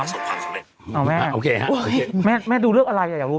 อ๋อแม่แม่ดูเลือกอะไรอยากรู้